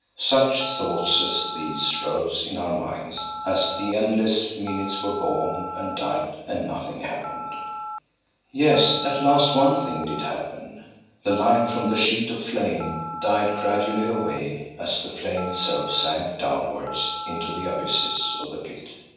Such thoughts as these rose in our minds as the endless minutes were born and died and nothing happened. Yes, at last one thing did happen. The light from the sheet of flame died gradually away as the flame itself sank downwards into the abysses of the pit.